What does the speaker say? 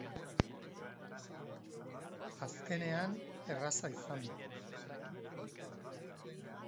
Azkenean erraza izan da.